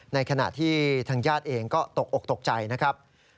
ในขณะที่ทางญาติเองก็ตกอกตกใจนะครับ